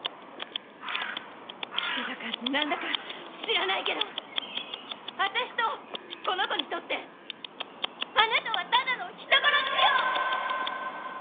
記者だか何だか知らないけど私とこの子にとってあなたはただの人殺しよ！！